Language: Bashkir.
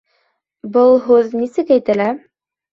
Был Һүҙ нисек әйтелә?